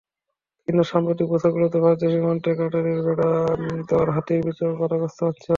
কিন্তু সাম্প্রতিক বছরগুলোতে ভারতীয় সীমান্তে কাঁটাতারের বেড়া দেওয়ায় হাতির বিচরণ বাধাগ্রস্ত হচ্ছে।